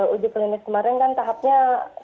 uji klinis kemarin kan tahapnya